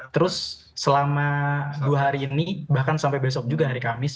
terus selama dua hari ini bahkan sampai besok juga hari kamis